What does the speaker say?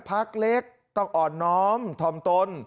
พักเล็กต้องอ่อนน้อมถ่อมตน